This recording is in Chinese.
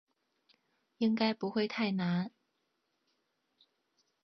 应该不会太难